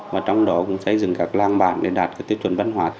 và trong đó cũng xây dựng các lang bản để đạt tiêu chuẩn văn hóa